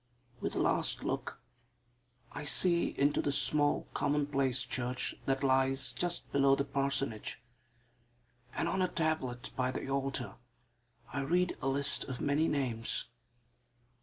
With a last look I see into the small, commonplace church that lies just below the parsonage: and on a tablet by the altar I read a list of many names.